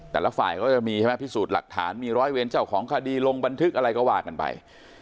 แต่ละฝ่ายก็จะมีใช่ไหมพิสูจน์หลักฐานมีร้อยเวรเจ้าของคดีลงบันทึกอะไรก็ว่ากันไป